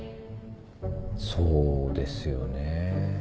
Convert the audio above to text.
そうですよね。